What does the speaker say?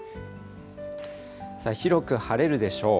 広く晴れるでしょう。